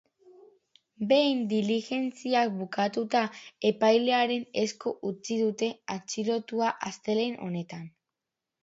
Behin diligentziak bukatuta, epailearen esku utzi dute atxilotua astelehen honetan.